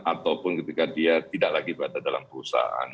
ataupun ketika dia tidak lagi berada dalam perusahaan